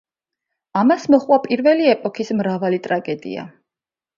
ამას მოჰყვა პირველი ეპოქის მრავალი ტრაგედია.